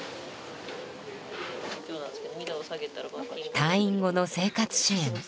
退院後の生活支援